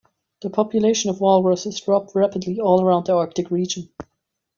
The population of walruses dropped rapidly all around the Arctic region.